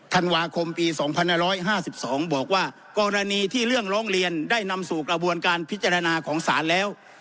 ธันวาคมปีสองพันห้าร้อยห้าสิบสองบอกว่ากรณีที่เรื่องร้องเรียนได้นำสู่กระบวนการพิจารณาของสารแล้ว